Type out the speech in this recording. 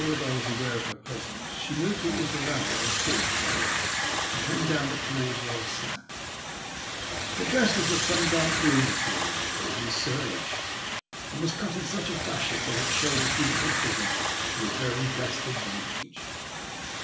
that I was aware of her presence she moved towards the ladder on the port side and came down it towards where I sat* Her dress was of some dark blue material, probably serge, and was cut in such a fashion that it showed her beautiful figure to the very best advantage.